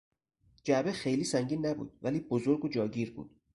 جعبه خیلی سنگین نبود ولی بزرگ و جاگیر بود.